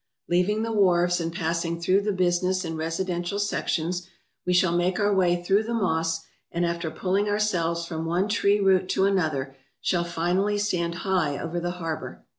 Leaving the wharves and passing through the business and residential sections, we shall make our way through the moss, and after pulling ourselves from one tree root to another, shall finally stand high over the harbour.